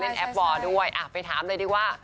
ใช่ใช่โอ้โฮเล่นแอพวอลด้วยไปถามเลยที่ว่า